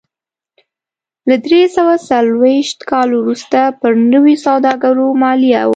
له درې سوه څلرویشت کال وروسته پر نویو سوداګرو مالیه و